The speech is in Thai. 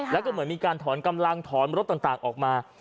แล้วก็เหมือนมีการถอนกำลังถอนรถต่างออกมา